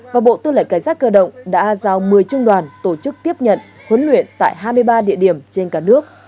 và bộ tư lệnh cảnh sát cơ động đã giao một mươi trung đoàn tổ chức tiếp nhận huấn luyện tại hai mươi ba địa điểm trên cả nước